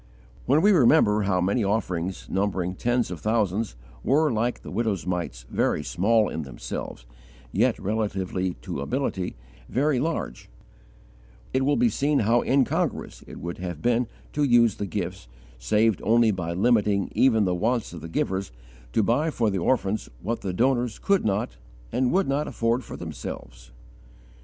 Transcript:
When we remember how many offerings, numbering tens of thousands, were, like the widow's mites, very small in themselves, yet, relatively to ability, very large, it will be seen how incongruous it would have been to use the gifts, saved only by limiting even the wants of the givers, to buy for the orphans what the donors could not and would not afford for themselves.